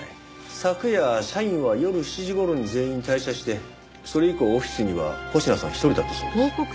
昨夜社員は夜７時頃に全員退社してそれ以降オフィスには保科さん一人だったそうです。